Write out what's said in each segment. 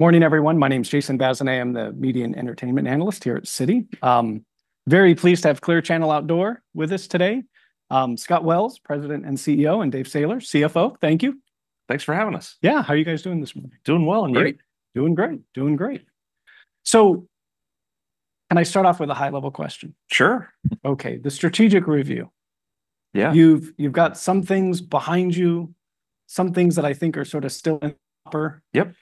Morning, everyone. My name's Jason Bazinet. I'm the Media and Entertainment Analyst here at Citi. Very pleased to have Clear Channel Outdoor with us today. Scott Wells, President and CEO, and David Sailer, CFO, thank you. Thanks for having us. Yeah, how are you guys doing this morning? Doing well, and you? Great. Doing great. Doing great. So can I start off with a high-level question? Sure. Okay, the strategic review. Yeah. You've got some things behind you, some things that I think are sort of still in order. Yep.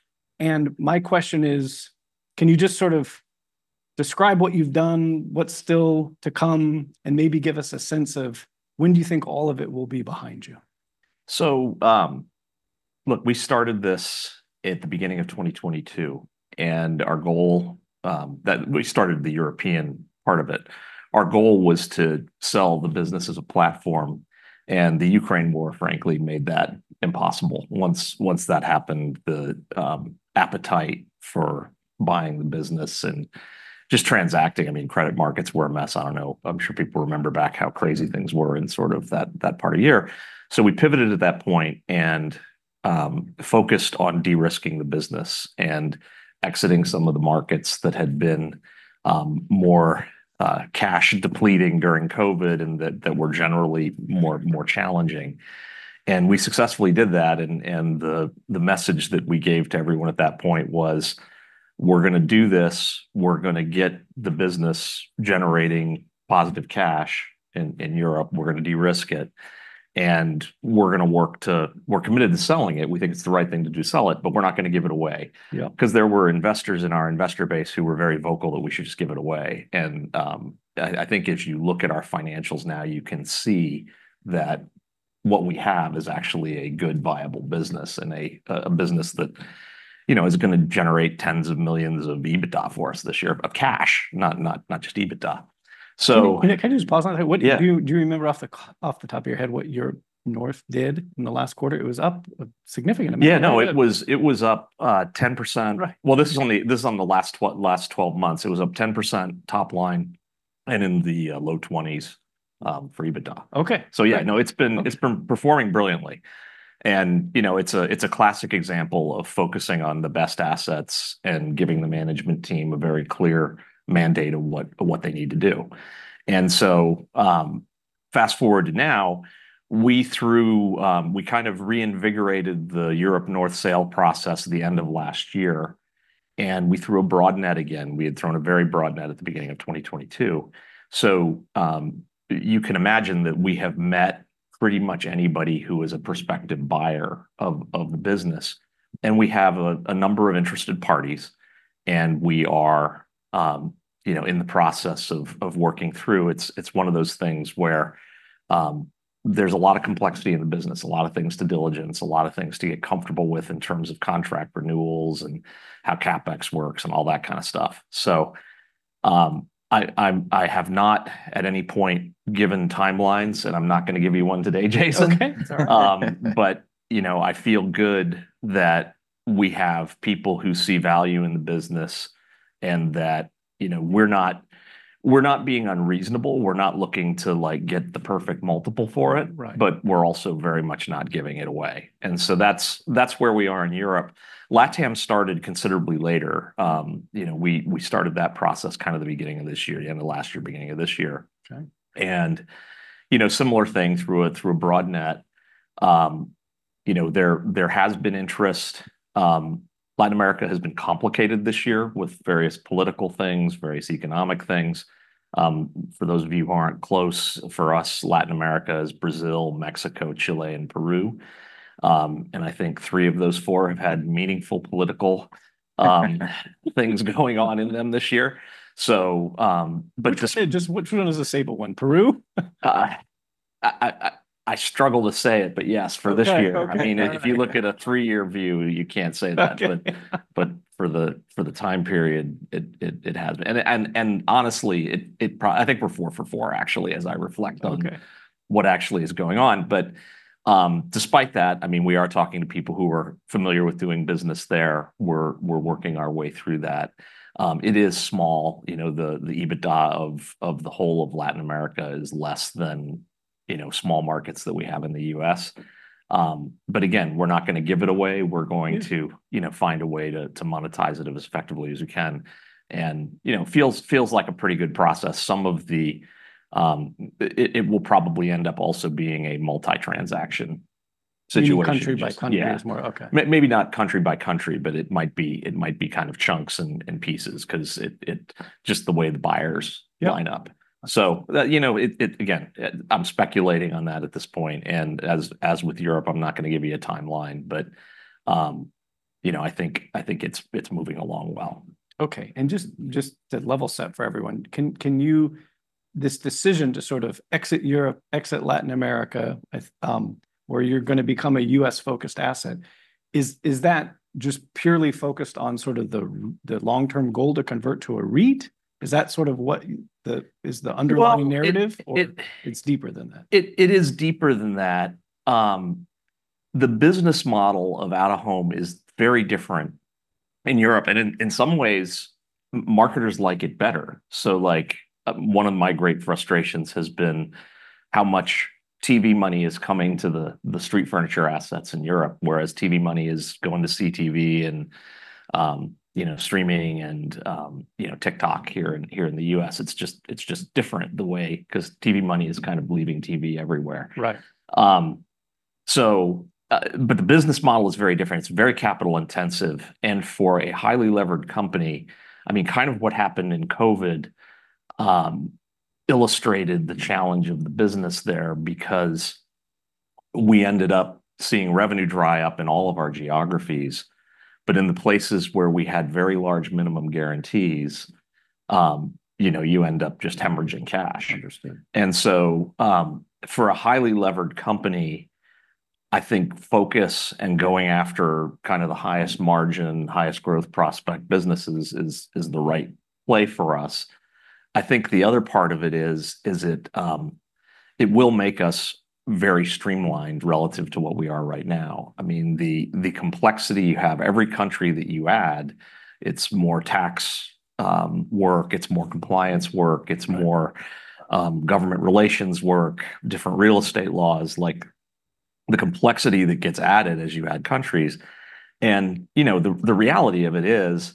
My question is: Can you just sort of describe what you've done, what's still to come, and maybe give us a sense of when do you think all of it will be behind you? So, look, we started this at the beginning of 2022, and our goal, we started the European part of it. Our goal was to sell the business as a platform, and the Ukraine war, frankly, made that impossible. Once that happened, the appetite for buying the business and just transacting, I mean, credit markets were a mess. I don't know, I'm sure people remember back how crazy things were in sort of that part of year. So we pivoted at that point and focused on de-risking the business and exiting some of the markets that had been more cash-depleting during COVID and that were generally more challenging. And we successfully did that, and the message that we gave to everyone at that point was, "We're gonna do this. We're gonna get the business generating positive cash in Europe. We're gonna de-risk it, and we're gonna work to... We're committed to selling it. We think it's the right thing to do, sell it, but we're not gonna give it away. Yeah. 'Cause there were investors in our investor base who were very vocal that we should just give it away. And I think if you look at our financials now, you can see that what we have is actually a good, viable business and a business that, you know, is gonna generate tens of millions of EBITDA for us this year, of cash, not just EBITDA. So- Can I just pause on that? Yeah. Do you remember off the top of your head what Europe North did in the last quarter? It was up a significant amount. Yeah, no, it was up 10%. Right. This is only on the last 12 months. It was up 10% top line and in the low 20s for EBITDA. Okay. Yeah, no, it's been- Okay... it's been performing brilliantly. And, you know, it's a, it's a classic example of focusing on the best assets and giving the management team a very clear mandate of what they need to do. And so, fast-forward to now, we threw, we kind of reinvigorated the Europe North sale process at the end of last year, and we threw a broad net again. We had thrown a very broad net at the beginning of 2022. So, you can imagine that we have met pretty much anybody who is a prospective buyer of the business, and we have a number of interested parties, and we are, you know, in the process of working through. It's one of those things where there's a lot of complexity in the business, a lot of things to diligence, a lot of things to get comfortable with in terms of contract renewals and how CapEx works and all that kind of stuff. So I have not at any point given timelines, and I'm not gonna give you one today, Jason. Okay. It's all right. But you know, I feel good that we have people who see value in the business and that, you know, we're not being unreasonable. We're not looking to, like, get the perfect multiple for it- Right... but we're also very much not giving it away, and so that's, that's where we are in Europe. LatAm started considerably later. You know, we started that process kind of the beginning of this year, end of last year, beginning of this year. Okay. You know, similar thing, threw a broad net. You know, there has been interest. Latin America has been complicated this year with various political things, various economic things. For those of you who aren't close, for us, Latin America is Brazil, Mexico, Chile, and Peru. And I think three of those four have had meaningful political things going on in them this year. So, but just- Which one is the stable one? Peru? I struggle to say it, but yes, for this year. Okay, okay. I mean, if you look at a three-year view, you can't say that. Okay. But for the time period, it has been... And honestly, it pro- I think we're four for four, actually, as I reflect on- Okay... what actually is going on, but despite that, I mean, we are talking to people who are familiar with doing business there. We're working our way through that. It is small. You know, the EBITDA of the whole of Latin America is less than, you know, small markets that we have in the U.S., but again, we're not gonna give it away. Yeah. We're going to, you know, find a way to monetize it as effectively as we can. And, you know, feels like a pretty good process. Some of the, it will probably end up also being a multi-transaction situation. You mean country by country? Yeah... it's more? Okay. Maybe not country by country, but it might be kind of chunks and pieces. 'Cause it's just the way the buyers- Yeah... line up. So, you know, it again, I'm speculating on that at this point, and as with Europe, I'm not gonna give you a timeline. But, you know, I think it's moving along well. Okay, and just to level set for everyone, can you. This decision to sort of exit Europe, exit Latin America, where you're gonna become a U.S.-focused asset, is that just purely focused on sort of the long-term goal to convert to a REIT? Is that sort of what the underlying narrative? Well, it- Or it's deeper than that? It is deeper than that. The business model of out-of-home is very different in Europe, and in some ways marketers like it better. So, like, one of my great frustrations has been how much TV money is coming to the street furniture assets in Europe, whereas TV money is going to CTV and, you know, streaming and, you know, TikTok here in the U.S. It's just different the way, 'cause TV money is kind of leaving TV everywhere. Right. But the business model is very different. It's very capital-intensive, and for a highly levered company, I mean, kind of what happened in COVID, illustrated the challenge of the business there. Because we ended up seeing revenue dry up in all of our geographies, but in the places where we had very large minimum guarantees, you know, you end up just hemorrhaging cash. Understood. And so, for a highly levered company, I think focus and going after kind of the highest margin, highest growth prospect businesses is the right play for us. I think the other part of it is it will make us very streamlined relative to what we are right now. I mean, the complexity you have, every country that you add, it's more tax work, it's more compliance work- Right... it's more, government relations work, different real estate laws. Like, the complexity that gets added as you add countries. And, you know, the reality of it is,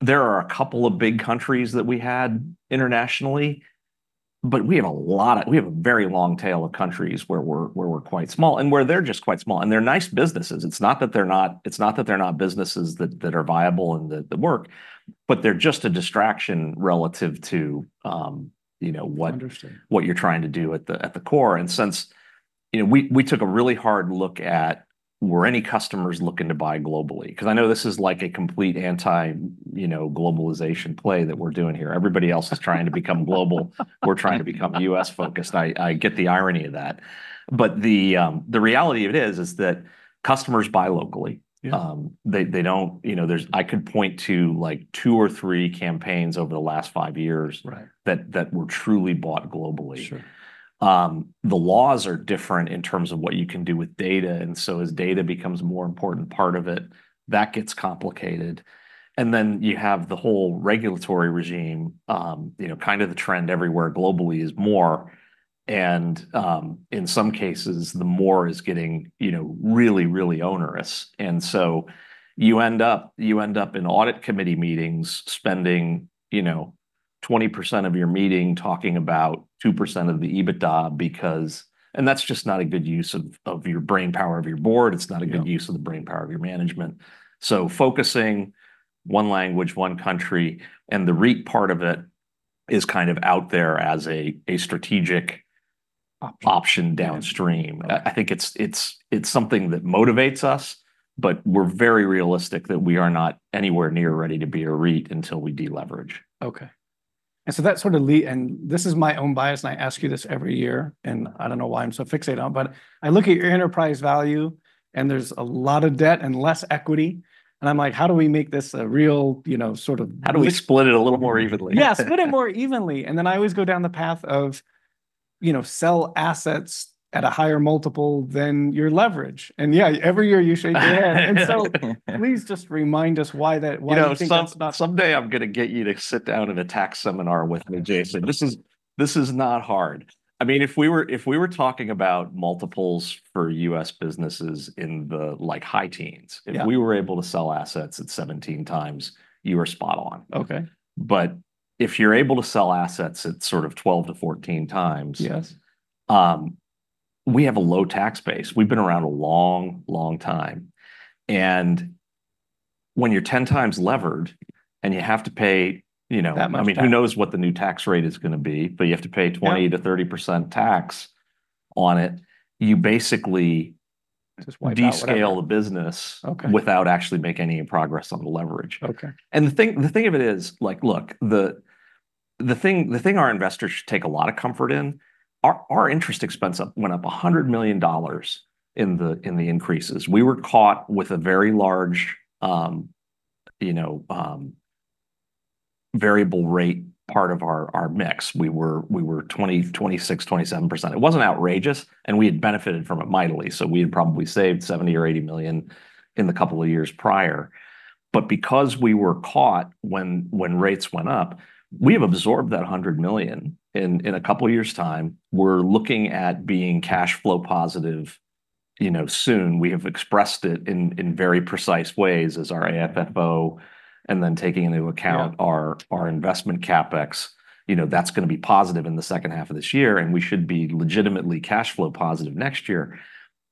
there are a couple of big countries that we had internationally, but we have a very long tail of countries where we're quite small, and where they're just quite small. And they're nice businesses. It's not that they're not businesses that are viable and that work, but they're just a distraction relative to, you know, what- Understood... what you're trying to do at the core. And since... You know, we took a really hard look at, were any customers looking to buy globally? 'Cause I know this is like a complete anti-you know, globalization play that we're doing here. Everybody else is trying to become global. We're trying to become U.S.-focused. I get the irony of that. But the reality of it is that customers buy locally. Yeah. They don't... You know, there's... I could point to, like, two or three campaigns over the last five years- Right... that were truly bought globally. Sure. The laws are different in terms of what you can do with data, and so as data becomes a more important part of it, that gets complicated. And then you have the whole regulatory regime. You know, kind of the trend everywhere globally is more, and in some cases, the more is getting, you know, really, really onerous. And so you end up in audit committee meetings spending, you know, 20% of your meeting talking about 2% of the EBITDA, because... And that's just not a good use of your brain power of your board. Yeah. It's not a good use of the brain power of your management. So focusing one language, one country, and the REIT part of it is kind of out there as a strategic- Option... option downstream. Yeah. I think it's something that motivates us, but we're very realistic that we are not anywhere near ready to be a REIT until we de-leverage. Okay, and so that sort of, and this is my own bias, and I ask you this every year, and I don't know why I'm so fixated on it, but I look at your enterprise value, and there's a lot of debt and less equity, and I'm like, "How do we make this a real, you know, sort of"- How do we split it a little more evenly? Yeah, split it more evenly. And then I always go down the path of, you know, sell assets at a higher multiple than your leverage. And yeah, every year you shake your head. And so please just remind us why that- why you think that's not- You know, someday I'm gonna get you to sit down at a tax seminar with me, Jason. This is, this is not hard. I mean, if we were, if we were talking about multiples for U.S. businesses in the, like, high teens- Yeah... if we were able to sell assets at 17 times, you are spot on. Okay. But if you're able to sell assets at sort of 12-14 times- Yes... we have a low tax base. We've been around a long, long time, and when you're 10 times levered and you have to pay, you know- That much tax.... I mean, who knows what the new tax rate is gonna be? But you have to pay- Yeah... 20%-30% tax on it, you basically- Just wipe out whatever.... de-scale the business- Okay... without actually making any progress on the leverage. Okay. The thing of it is, like, look, the thing our investors should take a lot of comfort in. Our interest expense went up $100 million in the increases. We were caught with a very large, you know, variable rate part of our mix. We were 20%, 26%, 27%. It wasn't outrageous, and we had benefited from it mightily, so we had probably saved $70 million or $80 million in the couple of years prior. But because we were caught when rates went up, we have absorbed that $100 million. In a couple years' time, we're looking at being cash flow positive, you know, soon. We have expressed it in very precise ways as our- Right... AFFO and then taking into account- Yeah... our investment CapEx. You know, that's gonna be positive in the second half of this year, and we should be legitimately cash flow positive next year.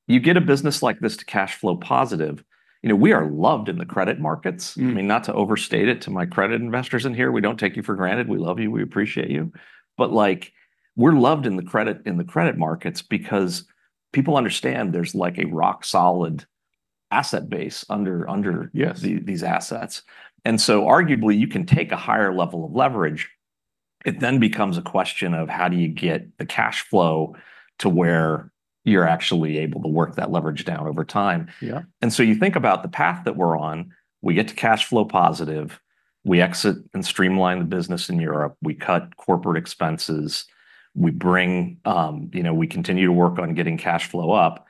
You get a business like this to cash flow positive, you know, we are loved in the credit markets. Mm. I mean, not to overstate it to my credit investors in here, we don't take you for granted. We love you, we appreciate you, but, like, we're loved in the credit, in the credit markets because people understand there's, like, a rock-solid asset base under Yes... these assets. And so arguably, you can take a higher level of leverage. It then becomes a question of, how do you get the cash flow to where you're actually able to work that leverage down over time? Yeah. You think about the path that we're on. We get to cash flow positive. We exit and streamline the business in Europe. We cut corporate expenses. We bring you know, we continue to work on getting cash flow up.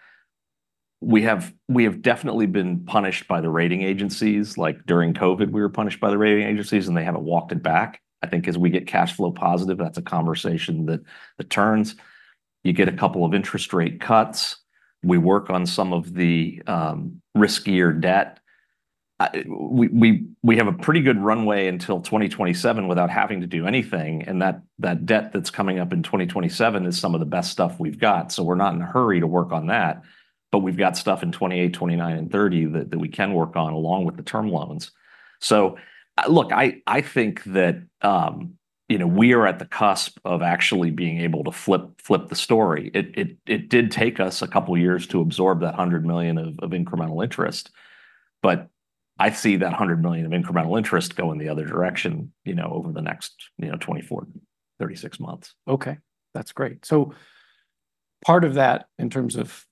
We have definitely been punished by the rating agencies. Like, during COVID, we were punished by the rating agencies, and they haven't walked it back. I think as we get cash flow positive, that's a conversation that turns. You get a couple of interest rate cuts. We work on some of the riskier debt. We have a pretty good runway until 2027 without having to do anything, and that debt that's coming up in 2027 is some of the best stuff we've got, so we're not in a hurry to work on that. But we've got stuff in 2028, 2029, and 2030 that we can work on, along with the term loans. So, look, I think that, you know, we are at the cusp of actually being able to flip the story. It did take us a couple years to absorb that $100 million of incremental interest, but I see that $100 million of incremental interest going the other direction, you know, over the next, you know, 24-36 months. Okay, that's great. So part of that, in terms of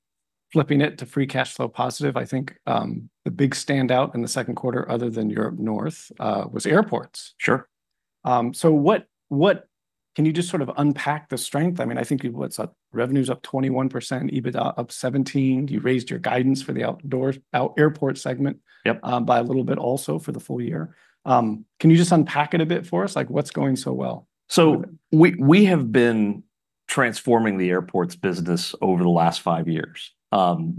flipping it to free cash flow positive, I think, the big standout in the second quarter, other than Europe North, was airports. Sure. So what can you just sort of unpack the strength? I mean, I think it was, what, revenue's up 21%, EBITDA up 17%. You raised your guidance for the outdoor airport segment- Yep... by a little bit also for the full year. Can you just unpack it a bit for us? Like, what's going so well? So we have been transforming the airports business over the last five years.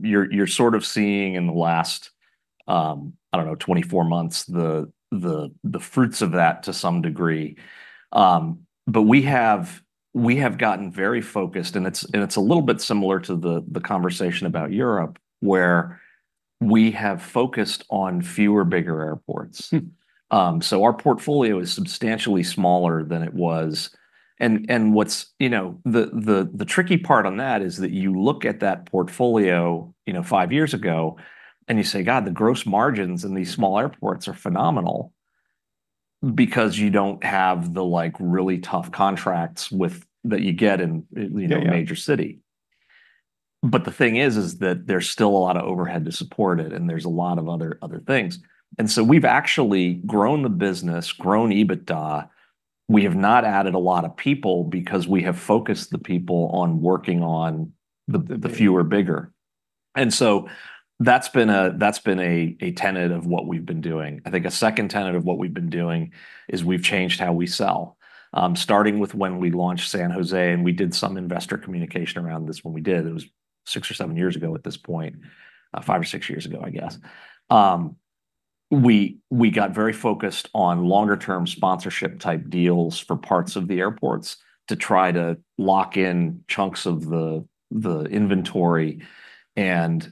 You're sort of seeing in the last, I don't know, 24 months, the fruits of that to some degree. But we have gotten very focused, and it's a little bit similar to the conversation about Europe, where we have focused on fewer, bigger airports. Hmm. So our portfolio is substantially smaller than it was. What's... You know, the tricky part on that is that you look at that portfolio, you know, five years ago, and you say, "God, the gross margins in these small airports are phenomenal," because you don't have the, like, really tough contracts with- that you get in, in- Yeah, yeah... a major city. But the thing is, is that there's still a lot of overhead to support it, and there's a lot of other, other things. And so we've actually grown the business, grown EBITDA. We have not added a lot of people because we have focused the people on working on the- Yeah... the fewer, bigger. And so that's been a tenet of what we've been doing. I think a second tenet of what we've been doing is we've changed how we sell. Starting with when we launched San Jose, and we did some investor communication around this. It was six or seven years ago at this point, five or six years ago, I guess. We got very focused on longer-term sponsorship-type deals for parts of the airports to try to lock in chunks of the inventory and,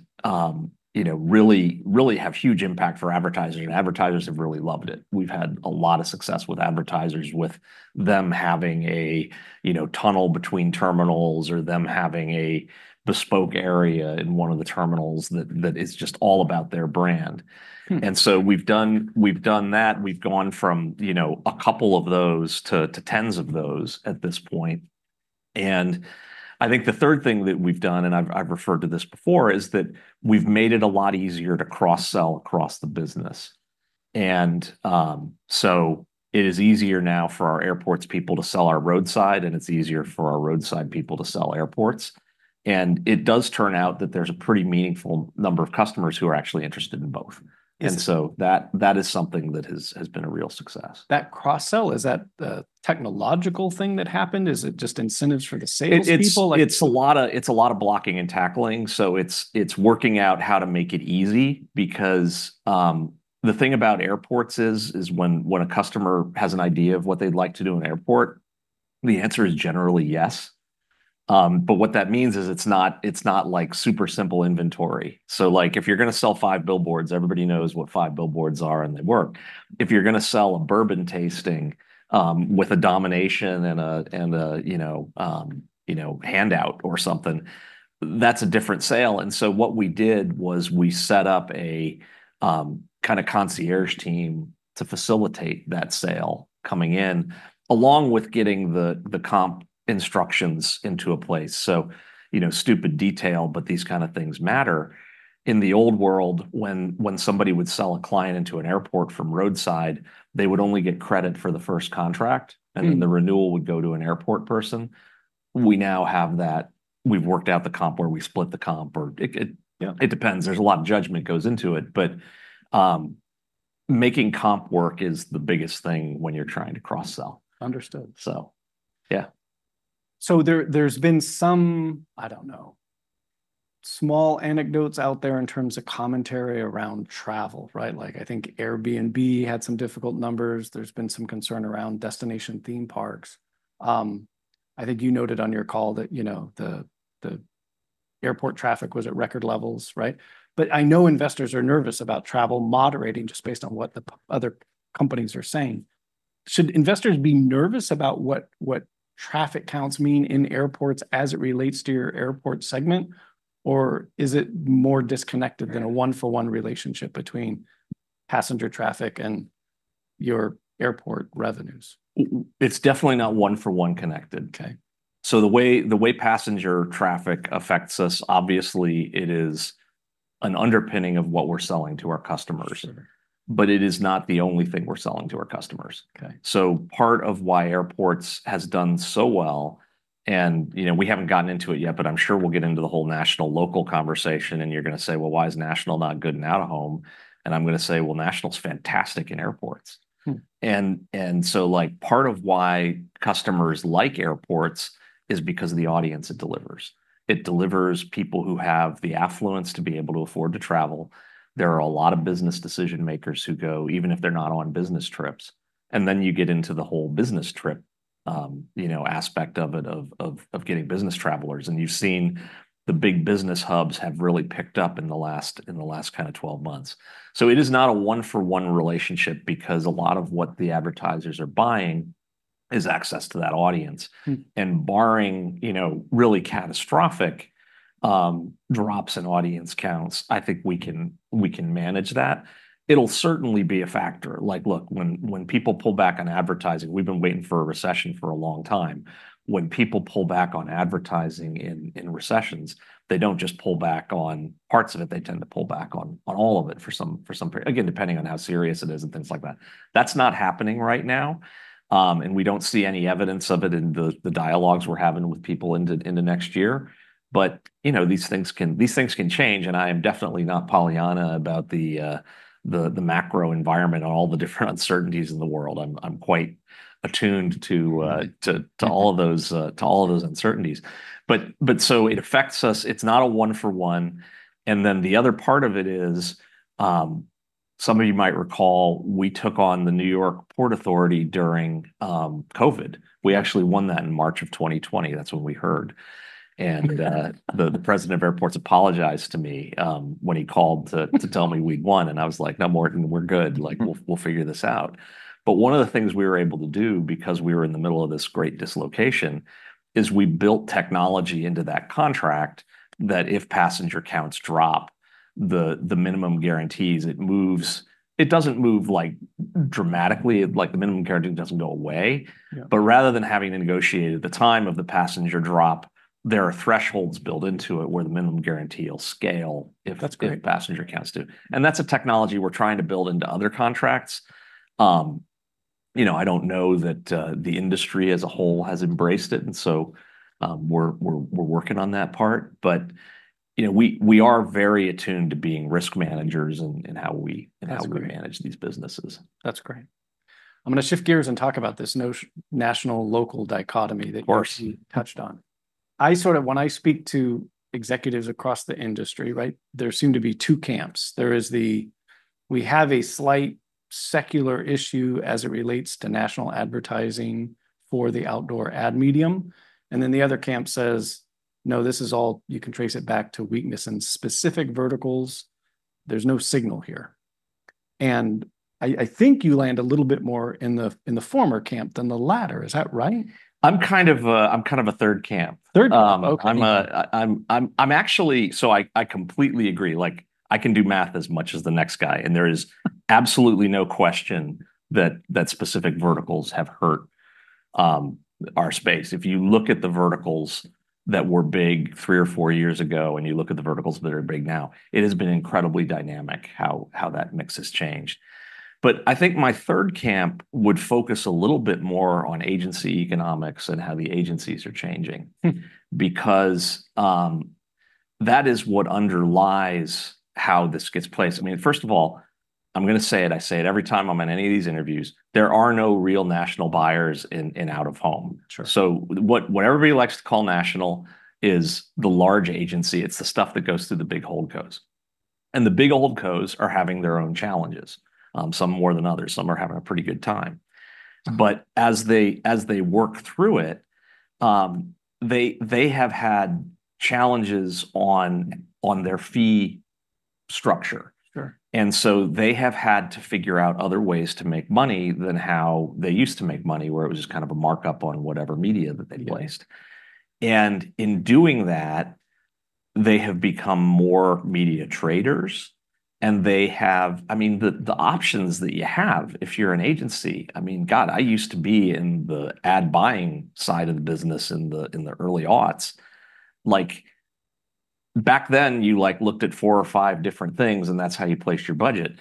you know, really, really have huge impact for advertising, and advertisers have really loved it. We've had a lot of success with advertisers, with them having a, you know, tunnel between terminals or them having a bespoke area in one of the terminals that is just all about their brand. Hmm. And so we've done, we've done that. We've gone from, you know, a couple of those to tens of those at this point. And I think the third thing that we've done, and I've referred to this before, is that we've made it a lot easier to cross-sell across the business. And, so it is easier now for our airports people to sell our roadside, and it's easier for our roadside people to sell airports. And it does turn out that there's a pretty meaningful number of customers who are actually interested in both. Yes. And so that is something that has been a real success. That cross-sell, is that a technological thing that happened? Is it just incentives for the sales people? It's a lot of blocking and tackling, so it's working out how to make it easy because the thing about airports is when a customer has an idea of what they'd like to do in an airport, the answer is generally yes. But what that means is it's not like super simple inventory. So like, if you're gonna sell five billboards, everybody knows what five billboards are, and they work. If you're gonna sell a bourbon tasting with a domination and a you know handout or something, that's a different sale. And so what we did was we set up a kind of concierge team to facilitate that sale coming in, along with getting the comp instructions into a place. You know, stupid detail, but these kind of things matter. In the old world, when somebody would sell a client into an airport from roadside, they would only get credit for the first contract. Hmm... and then the renewal would go to an airport person. We now have that- we've worked out the comp where we split the comp, or it, you know, it depends. There's a lot of judgment goes into it, but making comp work is the biggest thing when you're trying to cross-sell. Understood. So, yeah. There's been some, I don't know, small anecdotes out there in terms of commentary around travel, right? Like, I think Airbnb had some difficult numbers. There's been some concern around destination theme parks. I think you noted on your call that, you know, the airport traffic was at record levels, right? But I know investors are nervous about travel moderating, just based on what other companies are saying. Should investors be nervous about what traffic counts mean in airports as it relates to your airport segment, or is it more disconnected than a one-for-one relationship between passenger traffic and your airport revenues? It's definitely not one for one connected. Okay. The way passenger traffic affects us, obviously it is an underpinning of what we're selling to our customers, but it is not the only thing we're selling to our customers. Okay. Part of why airports has done so well, and, you know, we haven't gotten into it yet, but I'm sure we'll get into the whole national, local conversation, and you're gonna say, "Well, why is national not good in out-of-home?" And I'm gonna say, "Well, national's fantastic in airports. Hmm. So, like, part of why customers like airports is because of the audience it delivers. It delivers people who have the affluence to be able to afford to travel. There are a lot of business decision-makers who go, even if they're not on business trips, and then you get into the whole business trip, you know, aspect of it, of getting business travelers. And you've seen the big business hubs have really picked up in the last kind of 12 months. So it is not a one-for-one relationship, because a lot of what the advertisers are buying is access to that audience. Hmm. Barring, you know, really catastrophic drops in audience counts, I think we can manage that. It'll certainly be a factor. Like, look, when people pull back on advertising, we've been waiting for a recession for a long time. When people pull back on advertising in recessions, they don't just pull back on all of it for some period again, depending on how serious it is and things like that. That's not happening right now, and we don't see any evidence of it in the dialogues we're having with people into next year. But, you know, these things can change, and I am definitely not Pollyanna about the macro environment and all the different uncertainties in the world. I'm quite attuned to all of those uncertainties. But so it affects us. It's not a one-for-one, and then the other part of it is, some of you might recall, we took on the New York Port Authority during COVID. We actually won that in March of 2020. That's when we heard. And the president of airports apologized to me, when he called to tell me we'd won, and I was like, "No, Morten, we're good. Mm. Like, we'll figure this out." But one of the things we were able to do, because we were in the middle of this great dislocation, is we built technology into that contract, that if passenger counts drop, the minimum guarantees, it moves... It doesn't move, like, dramatically, like, the Minimum Guarantee doesn't go away. Yeah. But rather than having to negotiate at the time of the passenger drop, there are thresholds built into it where the minimum guarantee will scale- That's great... if passenger counts do. And that's a technology we're trying to build into other contracts. You know, I don't know that the industry as a whole has embraced it, and so, we're working on that part. But, you know, we are very attuned to being risk managers in how we- That's great... in how we manage these businesses. That's great. I'm gonna shift gears and talk about this national/local dichotomy that- Of course... you touched on. I sort of, when I speak to executives across the industry, right, there seem to be two camps. There is the, "We have a slight secular issue as it relates to national advertising for the outdoor ad medium," and then the other camp says, "No, this is all... You can trace it back to weakness in specific verticals. There's no signal here," and I, I think you land a little bit more in the, in the former camp than the latter. Is that right? I'm kind of a third camp. Third, okay. I'm actually so I completely agree. Like, I can do math as much as the next guy, and there is absolutely no question that specific verticals have hurt our space. If you look at the verticals that were big three or four years ago, and you look at the verticals that are big now, it has been incredibly dynamic how that mix has changed. But I think my third camp would focus a little bit more on agency economics and how the agencies are changing- Hmm... because, that is what underlies how this gets placed. I mean, first of all, I'm gonna say it, I say it every time I'm in any of these interviews, there are no real national buyers in out-of-home. Sure. So what everybody likes to call national is the large agency. It's the stuff that goes through the big holdcos. And the big holdcos are having their own challenges, some more than others. Some are having a pretty good time. Uh-huh. But as they work through it, they have had challenges on their fee structure. Sure. And so they have had to figure out other ways to make money than how they used to make money, where it was just kind of a markup on whatever media that they placed. Yeah. And in doing that, they have become more media traders, and they have... I mean, the options that you have if you're an agency. I mean, God, I used to be in the ad buying side of the business in the early aughts. Like, back then, you, like, looked at four or five different things, and that's how you placed your budget.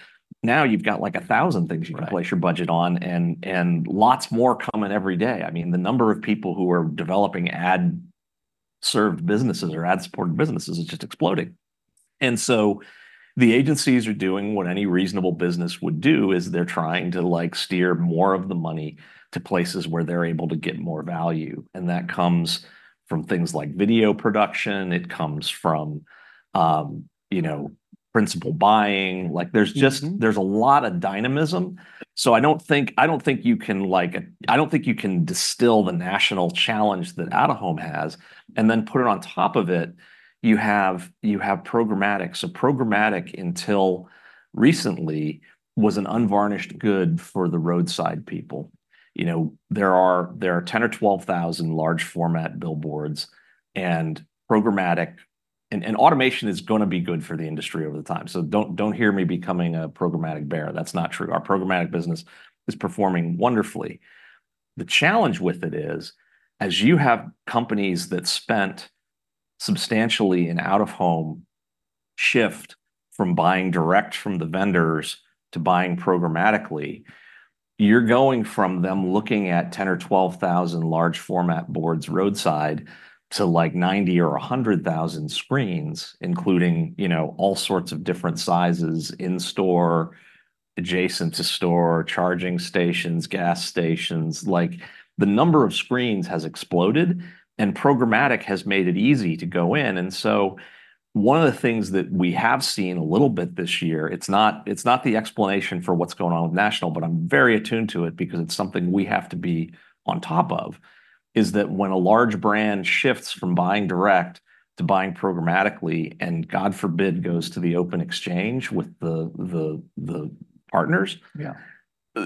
Now you've got, like, a thousand things- Right... you can place your budget on, and, and lots more coming every day. I mean, the number of people who are developing ad-served businesses or ad-supported businesses is just exploding. And so the agencies are doing what any reasonable business would do, is they're trying to, like, steer more of the money to places where they're able to get more value, and that comes from things like video production, it comes from, you know, principal buying. Mm-hmm. Like, there's a lot of dynamism, so I don't think, I don't think you can, like, I don't think you can distill the national challenge that out-of-home has, and then put it on top of it. You have programmatic. So programmatic, until recently, was an unvarnished good for the roadside people. You know, there are 10 or 12,000 large-format billboards, and programmatic. And automation is gonna be good for the industry over the time, so don't hear me becoming a programmatic bear. That's not true. Our programmatic business is performing wonderfully. The challenge with it is, as you have companies that spent-... Substantially an out-of-home shift from buying direct from the vendors to buying programmatically, you're going from them looking at 10 or 12,000 large format boards roadside to, like, 90 or 100,000 screens, including, you know, all sorts of different sizes, in-store, adjacent to store, charging stations, gas stations. Like, the number of screens has exploded, and programmatic has made it easy to go in. And so one of the things that we have seen a little bit this year, it's not, it's not the explanation for what's going on with national, but I'm very attuned to it because it's something we have to be on top of, is that when a large brand shifts from buying direct to buying programmatically, and God forbid, goes to the open exchange with the partners- Yeah...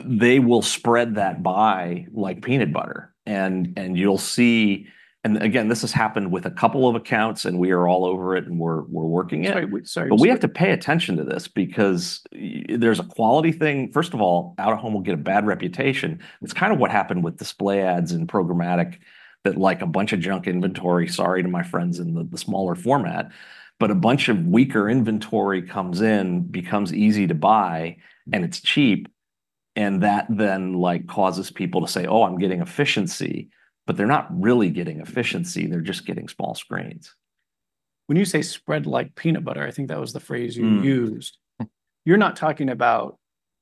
they will spread that buy like peanut butter. And you'll see. And again, this has happened with a couple of accounts, and we are all over it, and we're working it. Sorry, sorry- But we have to pay attention to this because there's a quality thing. First of all, out-of-home will get a bad reputation. It's kind of what happened with display ads and programmatic, that, like, a bunch of junk inventory, sorry to my friends in the, the smaller format, but a bunch of weaker inventory comes in, becomes easy to buy, and it's cheap, and that then, like, causes people to say, "Oh, I'm getting efficiency." But they're not really getting efficiency, they're just getting small screens. When you say spread like peanut butter, I think that was the phrase you used- Mm.... you're not talking about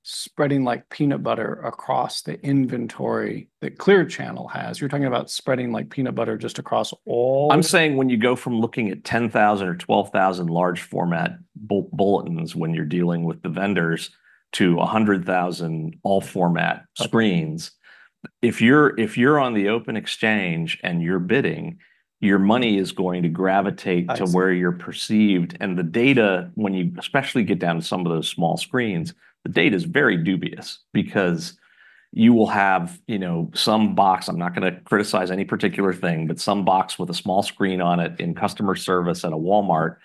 spreading like peanut butter across the inventory that Clear Channel has. You're talking about spreading like peanut butter just across all- I'm saying when you go from looking at 10,000 or 12,000 large format bulletins when you're dealing with the vendors, to 100,000 all-format screens- Okay... if you're on the open exchange and you're bidding, your money is going to gravitate- I see... to where you're perceived. And the data, when you especially get down to some of those small screens, the data's very dubious because you will have, you know, some box. I'm not gonna criticize any particular thing, but some box with a small screen on it in customer service at a Walmart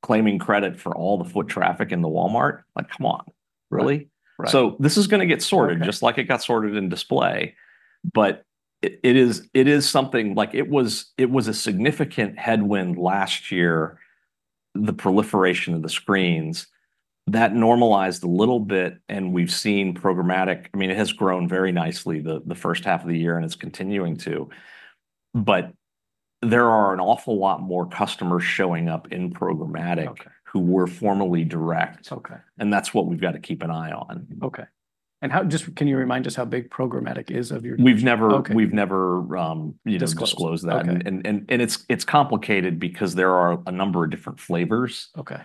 claiming credit for all the foot traffic in the Walmart. Like, come on. Really? Right. So this is gonna get sorted- Okay... just like it got sorted in display. But it is something. Like, it was a significant headwind last year, the proliferation of the screens. That normalized a little bit, and we've seen programmatic- I mean, it has grown very nicely the first half of the year, and it's continuing to. But there are an awful lot more customers showing up in programmatic- Okay... who were formerly direct. Okay. And that's what we've gotta keep an eye on. Okay. And, just, can you remind us how big programmatic is of your- We've never- Okay... we've never, you know- Disclosed... disclosed that. Okay. It's complicated because there are a number of different flavors. Okay.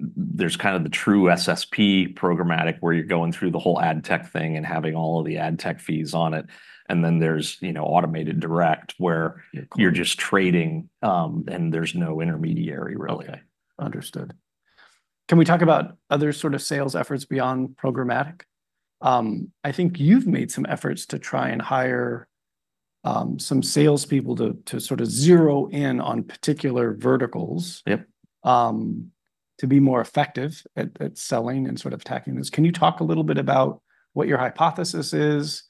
There's kind of the true SSP programmatic, where you're going through the whole ad tech thing and having all of the ad tech fees on it, and then there's, you know, automated direct, where- Yeah, cool... you're just trading, and there's no intermediary, really. Okay. Understood. Can we talk about other sort of sales efforts beyond programmatic? I think you've made some efforts to try and hire some salespeople to sort of zero in on particular verticals- Yep... to be more effective at selling and sort of attacking this. Can you talk a little bit about what your hypothesis is,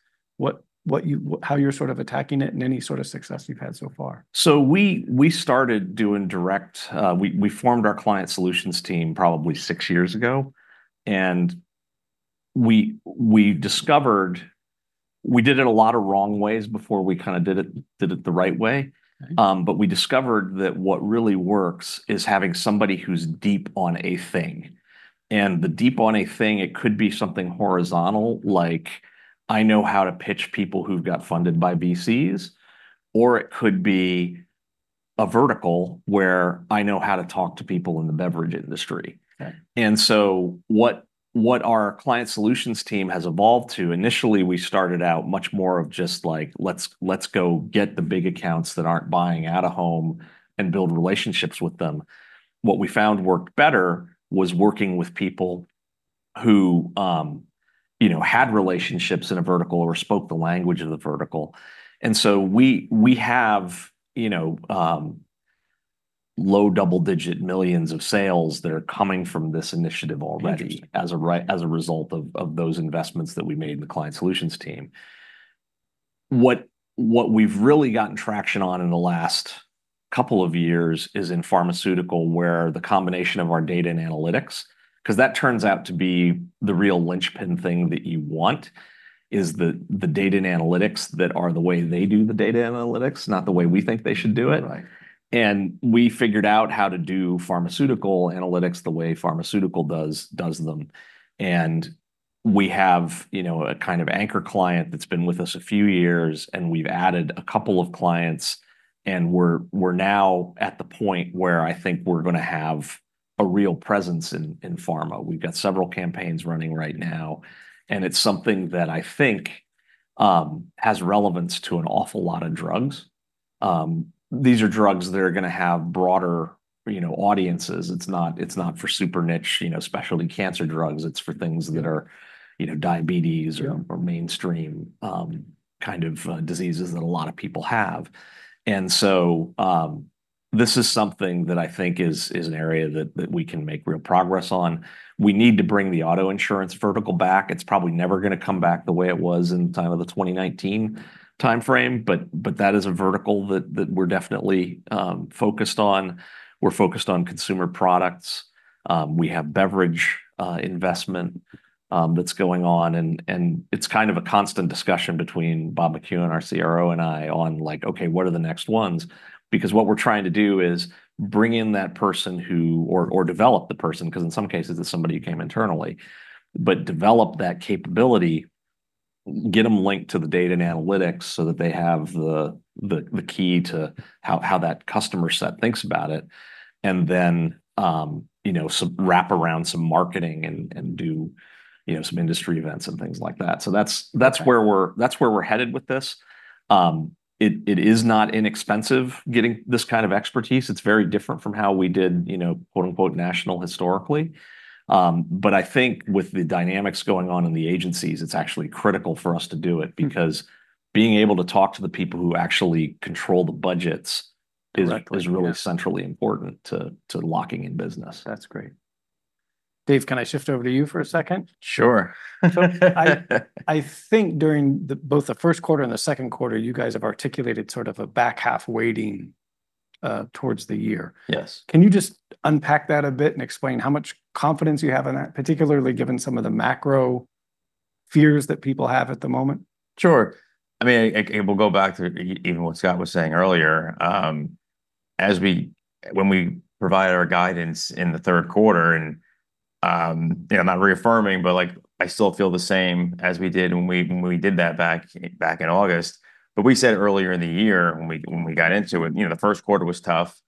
how you're sort of attacking it, and any sort of success you've had so far? So we started doing direct. We formed our client solutions team probably six years ago, and we discovered we did it a lot of wrong ways before we kinda did it the right way. Okay. But we discovered that what really works is having somebody who's deep on a thing. And the deep on a thing, it could be something horizontal, like, "I know how to pitch people who've got funded by VCs," or it could be a vertical, where, "I know how to talk to people in the beverage industry. Okay. And so what our client solutions team has evolved to, initially we started out much more of just, like, "Let's go get the big accounts that aren't buying out-of-home and build relationships with them." What we found worked better was working with people who, you know, had relationships in a vertical or spoke the language of the vertical. And so we have, you know, low double-digit millions of sales that are coming from this initiative already. Interesting... as a result of those investments that we made in the client solutions team. What we've really gotten traction on in the last couple of years is in pharmaceutical, where the combination of our data and analytics... 'Cause that turns out to be the real linchpin thing that you want, is the data and analytics that are the way they do the data analytics, not the way we think they should do it. Right. We figured out how to do pharmaceutical analytics the way pharmaceutical does them. We have, you know, a kind of anchor client that's been with us a few years, and we've added a couple of clients, and we're now at the point where I think we're gonna have a real presence in pharma. We've got several campaigns running right now, and it's something that I think has relevance to an awful lot of drugs. These are drugs that are gonna have broader, you know, audiences. It's not for super niche, you know, specialty cancer drugs. It's for things that are, you know, diabetes- Yeah... or mainstream, kind of, diseases that a lot of people have. And so, this is something that I think is an area that we can make real progress on. We need to bring the auto insurance vertical back. It's probably never gonna come back the way it was in the time of the 2019 time frame, but that is a vertical that we're definitely focused on. We're focused on consumer products. We have beverage investment that's going on, and it's kind of a constant discussion between Bob McCuin, our CRO, and I on, like, "Okay, what are the next ones?" Because what we're trying to do is bring in that person or develop the person, 'cause in some cases it's somebody who came internally, but develop that capability, get them linked to the data and analytics so that they have the key to how that customer set thinks about it. And then, you know, wrap around some marketing and do, you know, some industry events and things like that. So that's- Okay... that's where we're headed with this. It is not inexpensive getting this kind of expertise. It's very different from how we did, you know, quote, unquote, "national historically." But I think with the dynamics going on in the agencies, it's actually critical for us to do it- Mm... because being able to talk to the people who actually control the budgets- Correct, yeah... is really centrally important to locking in business. That's great. Dave, can I shift over to you for a second? Sure. So I think during both the first quarter and the second quarter, you guys have articulated sort of a back half weighting towards the year. Yes. Can you just unpack that a bit and explain how much confidence you have in that, particularly given some of the macro fears that people have at the moment? Sure. I mean, and we'll go back to even what Scott was saying earlier. When we provided our guidance in the third quarter, and, you know, not reaffirming, but, like, I still feel the same as we did when we did that back in August. But we said earlier in the year when we got into it, you know, the first quarter was tough.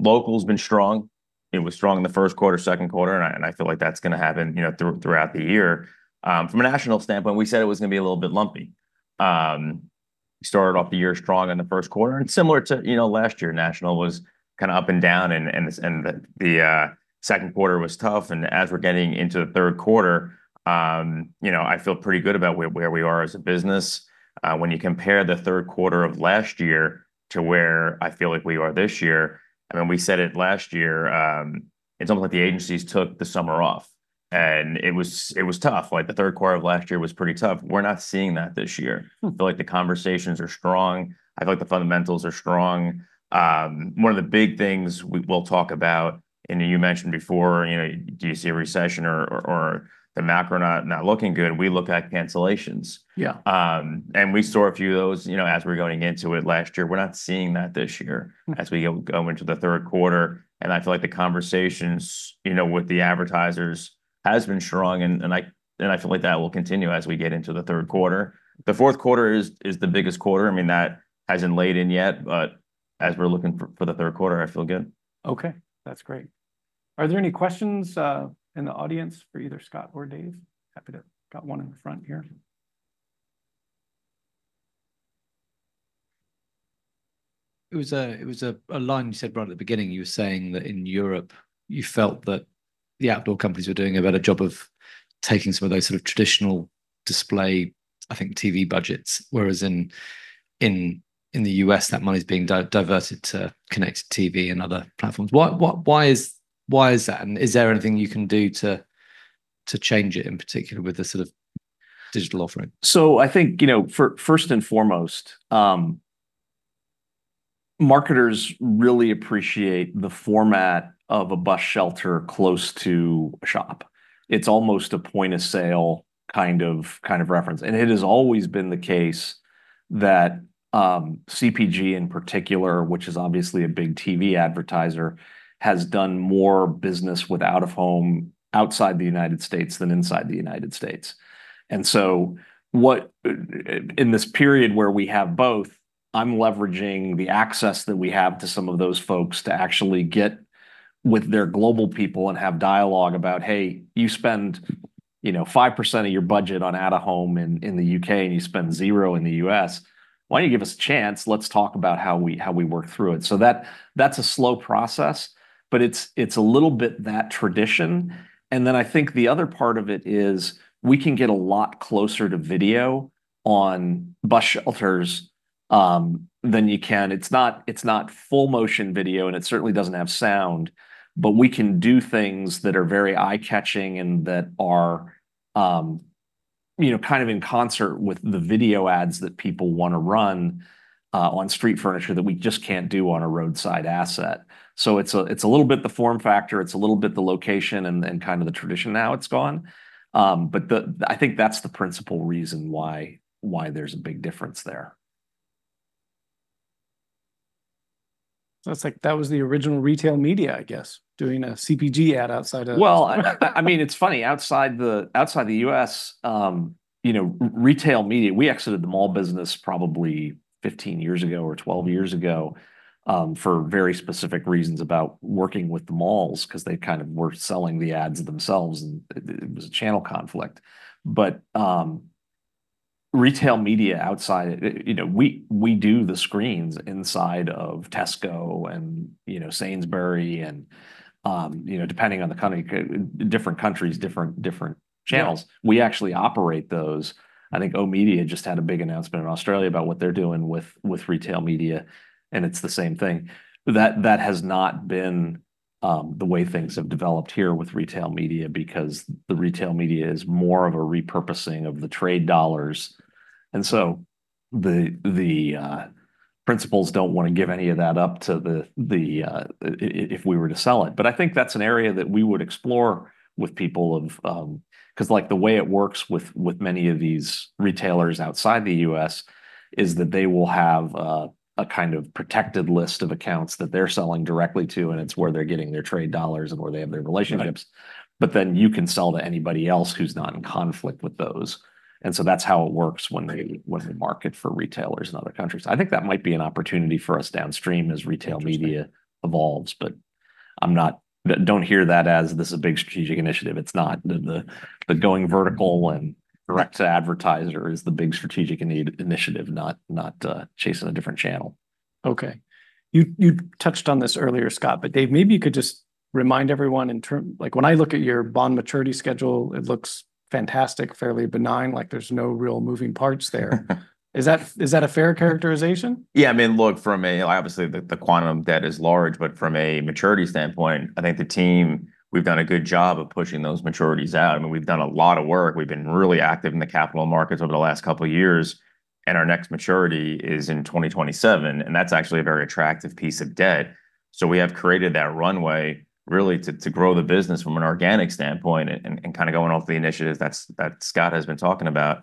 Local's been strong. It was strong in the first quarter, second quarter, and I feel like that's gonna happen, you know, throughout the year. From a national standpoint, we said it was gonna be a little bit lumpy. We started off the year strong in the first quarter, and similar to, you know, last year, national was kinda up and down, and the second quarter was tough. And as we're getting into the third quarter, you know, I feel pretty good about where we are as a business. When you compare the third quarter of last year to where I feel like we are this year, I mean, we said it last year, it's almost like the agencies took the summer off, and it was tough. Like, the third quarter of last year was pretty tough. We're not seeing that this year. Mm. I feel like the conversations are strong. I feel like the fundamentals are strong. One of the big things we'll talk about, and you mentioned before, you know, do you see a recession or the macro not looking good? We look at cancellations. Yeah. And we saw a few of those, you know, as we were going into it last year. We're not seeing that this year- Mm... as we go into the third quarter, and I feel like the conversations, you know, with the advertisers has been strong, and I feel like that will continue as we get into the third quarter. The fourth quarter is the biggest quarter. I mean, that hasn't landed yet, but as we're looking forward to the third quarter, I feel good. Okay, that's great. Are there any questions in the audience for either Scott or Dave? Happy to... Got one in the front here. It was a line you said right at the beginning. You were saying that in Europe you felt that the outdoor companies were doing a better job of taking some of those sort of traditional display, I think, TV budgets, whereas in the U.S., that money's being diverted to connected TV and other platforms. Why is that? And is there anything you can do to change it, in particular with the sort of digital offering? So I think, you know, first and foremost, marketers really appreciate the format of a bus shelter close to a shop. It's almost a point-of-sale kind of reference. And it has always been the case that, CPG in particular, which is obviously a big TV advertiser, has done more business with out-of-home outside the United States than inside the United States. And so, in this period where we have both, I'm leveraging the access that we have to some of those folks to actually get with their global people and have dialogue about, "Hey, you spend, you know, 5% of your budget on out-of-home in the U.K., and you spend zero in the U.S. Why don't you give us a chance? Let's talk about how we, how we work through it." So that, that's a slow process, but it's, it's a little bit that tradition. And then I think the other part of it is, we can get a lot closer to video on bus shelters than you can... It's not, it's not full-motion video, and it certainly doesn't have sound, but we can do things that are very eye-catching and that are, you know, kind of in concert with the video ads that people wanna run on street furniture, that we just can't do on a roadside asset. So it's a, it's a little bit the form factor, it's a little bit the location, and then kind of the tradition, how it's gone. But I think that's the principal reason why, why there's a big difference there. So it's like that was the original retail media, I guess, doing a CPG ad outside of - I mean, it's funny, outside the U.S., you know, retail media, we exited the mall business probably 15 years ago or 12 years ago, for very specific reasons about working with the malls, 'cause they kind of were selling the ads themselves, and it was a channel conflict. But, retail media outside, you know, we do the screens inside of Tesco and, you know, Sainsbury's, and, you know, depending on the country, different countries, different channels. Yeah. We actually operate those. I think oOh!media just had a big announcement in Australia about what they're doing with retail media, and it's the same thing. That has not been the way things have developed here with retail media, because the retail media is more of a repurposing of the trade dollars. And so the principals don't wanna give any of that up to the if we were to sell it. But I think that's an area that we would explore with people of. 'Cause, like, the way it works with many of these retailers outside the U.S., is that they will have a kind of protected list of accounts that they're selling directly to, and it's where they're getting their trade dollars and where they have their relationships. Right. But then you can sell to anybody else who's not in conflict with those, and so that's how it works when they- Right... when they market for retailers in other countries. I think that might be an opportunity for us downstream as retail media- Interesting... evolves, but I'm not—don't hear that as this is a big strategic initiative. It's not. The going vertical and direct to advertiser is the big strategic initiative, not chasing a different channel. Okay. You touched on this earlier, Scott, but Dave, maybe you could just remind everyone in terms, like, when I look at your bond maturity schedule, it looks fantastic, fairly benign, like there's no real moving parts there. Is that a fair characterization? Yeah, I mean, look, from a... Obviously, the quantum debt is large, but from a maturity standpoint, I think the team, we've done a good job of pushing those maturities out. I mean, we've done a lot of work. We've been really active in the capital markets over the last couple of years, and our next maturity is in 2027, and that's actually a very attractive piece of debt. So we have created that runway really to grow the business from an organic standpoint and, kind of, going off the initiatives that Scott has been talking about.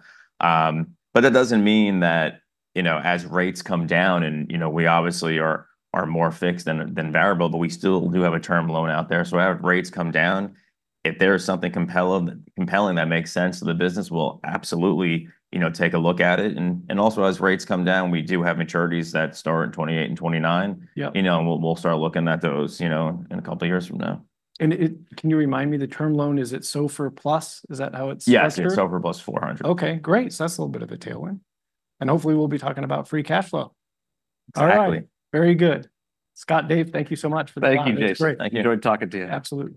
But that doesn't mean that, you know, as rates come down, and, you know, we obviously are more fixed than variable, but we still do have a term loan out there. As rates come down, if there is something compelling that makes sense to the business, we'll absolutely, you know, take a look at it. And also, as rates come down, we do have maturities that start in 2028 and 2029. Yep. You know, and we'll start looking at those, you know, in a couple of years from now. And can you remind me, the term loan, is it SOFR plus? Is that how it's described? Yes, it's SOFR plus four hundred. Okay, great! So that's a little bit of a tailwind, and hopefully we'll be talking about free cash flow. Exactly. All right, very good. Scott, Dave, thank you so much for the time. Thank you, Dave. It's great. Thank you. Enjoyed talking to you. Absolutely.